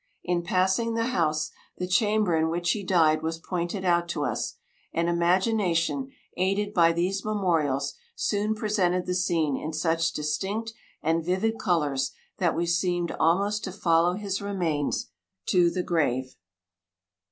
In passing the house, the chamber in which he died was pointed out to us; and imagination, aided by these memorials, soon presented the scene in such distinct and vivid colours, that we seemed almost to follow his remains to the grave."